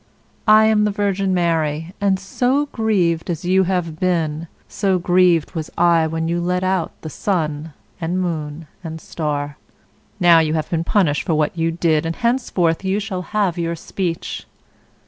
I am the Virgin Mary, and so grieved as you have been, so grieved was I when you let out sun, and moon, and star. Now you have been punished for what you did, and henceforth you shall have your speech."